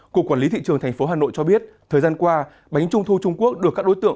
cục quản lý thị trường tp hà nội cho biết thời gian qua bánh trung thu trung quốc được các đối tượng